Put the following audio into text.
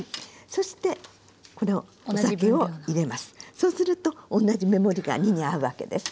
そうすると同じ目盛りが２に合うわけです。